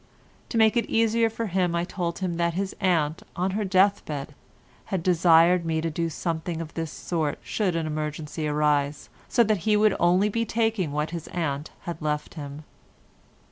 To make it easier for him I told him that his aunt, on her death bed, had desired me to do something of this sort should an emergency arise, so that he would only be taking what his aunt had left him.